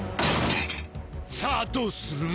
さあどうする？